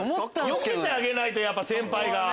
よけてあげないと先輩が。